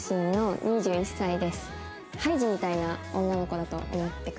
ハイジみたいな女の子だと思ってください。